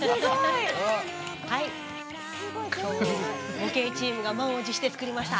模型チームが満を持して作りました。